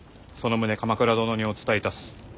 その旨鎌倉殿にお伝えいたす。